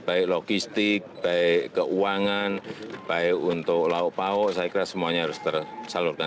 baik logistik baik keuangan baik untuk lauk pauk saya kira semuanya harus tersalurkan